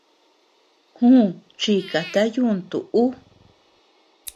Jù, chikata yuntu ú.